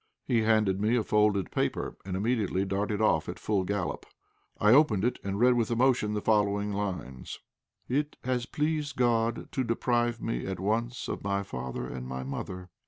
He handed me a folded paper, and immediately darted off at full gallop. I opened it and read with emotion the following lines "It has pleased God to deprive me at once of my father and my mother.